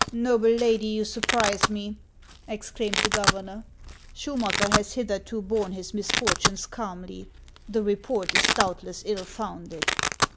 " Noble lady, you surprise me !" exclaimed the gov ernor. " Schumacker has hitherto borne his misfortunes calmly. The report is doubtless ill founded."